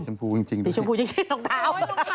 สีชมพูชิ้นน้องเท้า